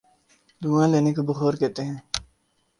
دھواں لینے کو بخور کہتے ہیں۔